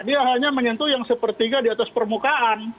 dia hanya menyentuh yang sepertiga di atas permukaan